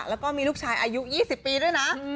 แล้วก็มีลูกชายอายุ๒๐ปีด้วยนะ